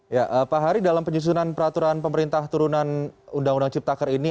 ya pak hary dalam penyusunan peraturan pemerintah turunan undang undang cipta kerja ini